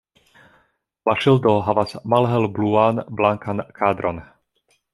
La ŝildo havas malhelbluan-blankan kadron.